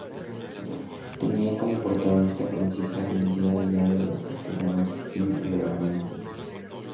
Tenía como protagonista principal el día a día de los castellanos y leoneses.